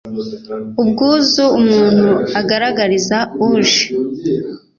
ubwuzu umuntu agaragariza uje